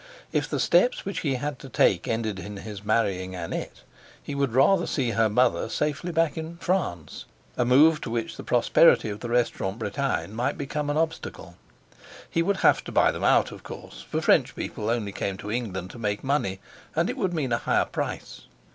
If the steps which he had to take ended in his marrying Annette, he would rather see her mother safely back in France, a move to which the prosperity of the Restaurant Bretagne might become an obstacle. He would have to buy them out, of course, for French people only came to England to make money; and it would mean a higher price.